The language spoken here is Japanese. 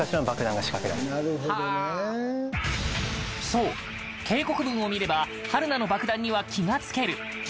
そう、警告文を見れば春菜の爆弾には気が付ける。